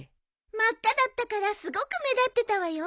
真っ赤だったからすごく目立ってたわよ。